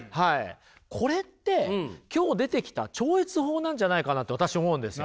これって今日出てきた超越法なんじゃないかなと私思うんですよ。